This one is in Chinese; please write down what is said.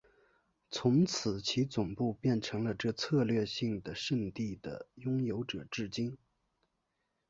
从此其总部变成了这策略性的圣地的拥有者至今。